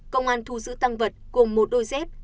công an thu giữ tăng vật cùng một đôi dép